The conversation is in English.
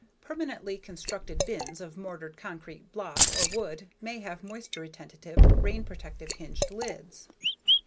Permanently constructed bins of mortared concrete block or wood may have moisture retentive, rain protective hinged lids.